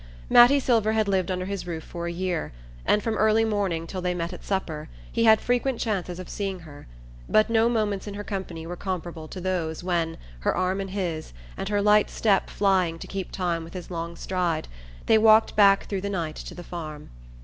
Mattie Silver had lived under his roof for a year, and from early morning till they met at supper he had frequent chances of seeing her; but no moments in her company were comparable to those when, her arm in his, and her light step flying to keep time with his long stride, they walked back through the night to the farm.